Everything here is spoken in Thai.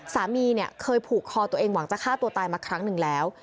สามีเนี่ยเคยผูกคอตัวเองหวังจะฆ่าตัวตายมาครั้งหนึ่งแล้ว